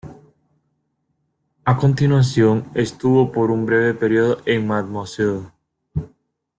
A continuación estuvo por un breve período en "Mademoiselle".